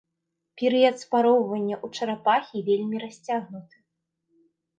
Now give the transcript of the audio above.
Перыяд спароўвання ў чарапахі вельмі расцягнуты.